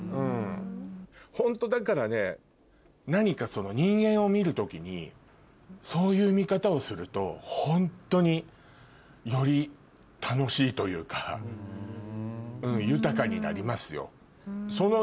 ホントだからね何か人間を見る時にそういう見方をするとホントにより楽しいというか豊かになりますよ。